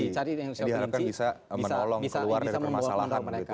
diharapkan bisa menolong keluar dari permasalahan